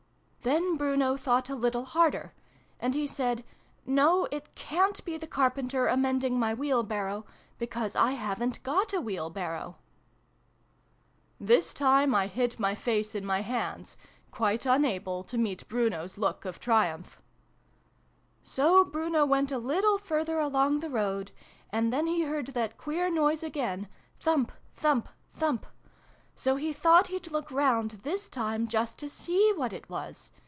" Then Bruno thought a little harder. And he said ' No ! It cant be the Carpenter amending my Wheelbarrow, because I haven't got a Wheelbarrow !' This time I hid my face in my hands, quite unable to meet Bruno's look of triumph. " So Bruno went a little further along the road. And then he heard that queer noise again Thump ! Thump ! Thump ! So he thought he'd look round, this time, just to see what it was.